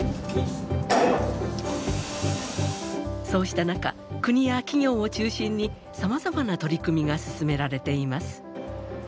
そうした中国や企業を中心にさまざまな取り組みが進められています。